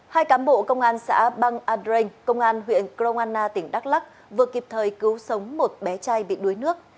hai cám bộ công an xã bang adreng công an huyện kroana tỉnh đắk lắc vừa kịp thời cứu sống một bé trai bị đuối nước